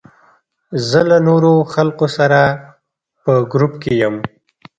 زه له نورو خلکو سره په ګروپ کې یم.